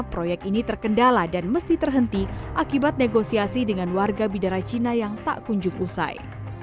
proyek ini terkendala dan mesti terhenti akibat negosiasi dengan warga bidara cina yang tak kunjung usai